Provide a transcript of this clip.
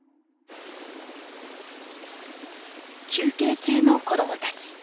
休憩中の子どもたち。